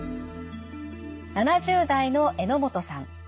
７０代の榎本さん。